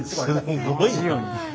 すごいわ。